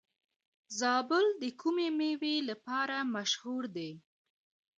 زابل د کومې میوې لپاره مشهور دی؟